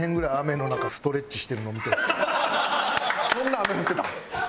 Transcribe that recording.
そんな雨降ってたん？